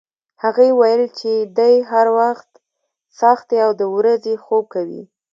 هغې ویل چې دی هر وخت څاښتي او د ورځې خوب کوي.